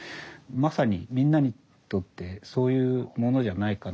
まさにみんなにとってそういうものじゃないかなと思うんです。